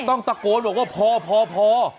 ต้องตะโกนบอกว่าพอ